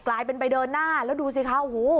กลายเป็นไปเดินหน้าแล้วดูสิค่ะ